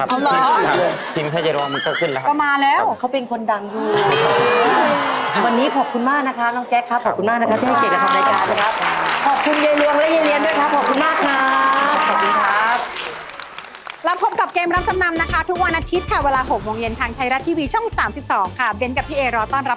ครับพิมพ์ให้เยลวงมันก็ขึ้นแล้วครับพิมพ์ให้เยลวงมันก็ขึ้นแล้วครับ